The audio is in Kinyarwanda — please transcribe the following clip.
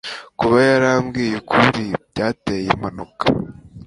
kuba yarambwiye ukuri byateje impanuka